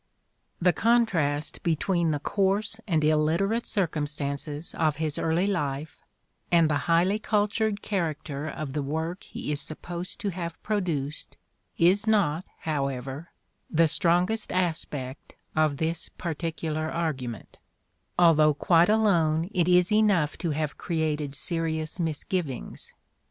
Ill The contrast between the coarse and illiterate circum William stances of his early life, and the highly cultured character of the work he is supposed to have produced, is not, however, the strongest aspect of this particular argument : although quite alone it is enough to have created serious misgivings.